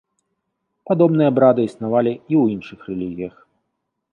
Падобныя абрады існавалі і ў іншых рэлігіях.